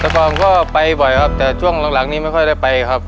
แต่ก่อนก็ไปบ่อยครับแต่ช่วงหลังนี้ไม่ค่อยได้ไปครับ